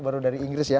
baru dari inggris ya